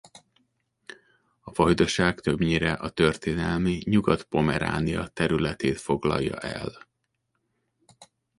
A vajdaság többnyire a történelmi Nyugat-Pomeránia területét foglalja el.